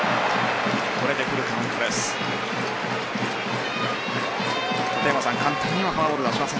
これでフルカウントです。